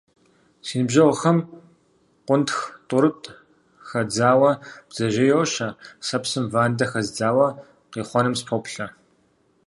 Си ныбжьэгъухэм къунтх тӏурытӏ хадзауэ бдзэжьей йощэ, сэ псым вандэ хэздзауэ, къихъуэнум сыпоплъэ.